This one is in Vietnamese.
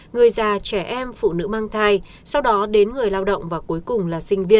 người già trẻ em phụ nữ mang thai sau đó đến người lao động và cuối cùng là sinh viên